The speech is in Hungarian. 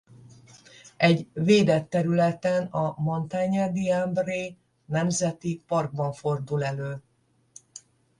Egy védett területen a Montagne d’Ambre Nemzeti Parkban fordul elő.